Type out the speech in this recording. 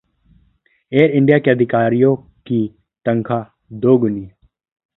air India के अधिकारियों की तनख्वाह दोगुनी